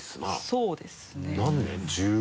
そうですね。何年？